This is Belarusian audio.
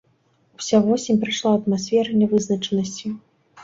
Уся восень прайшла ў атмасферы нявызначанасці.